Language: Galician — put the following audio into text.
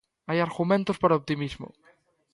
Hai argumentos para o optimismo.